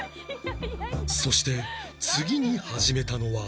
そして次に始めたのは